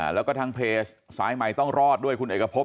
แล้วก็ทางเพจสายใหม่ต้องรอดด้วยคุณเอกพบ